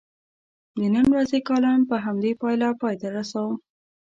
د نن ورځې کالم په همدې پایله پای ته رسوم.